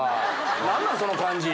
なんなん、その感じ。